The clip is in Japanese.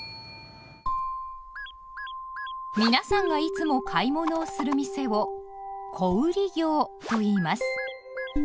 皆さんがいつも買い物をする店を「小売業」といいます。